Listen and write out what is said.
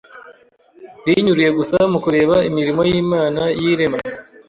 binyuriye gusa mu kureba imirimo y’Imana y’irema